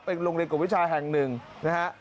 เป็นโรงเรียนกับวิชาแห่งหนึ่งนะฮะ